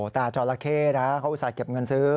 ตาจอละเข้นะเขาอุตส่าห์เก็บเงินซื้อ